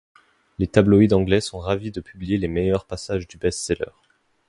Les tabloïds anglais sont ravis de publier les meilleurs passages du best-seller.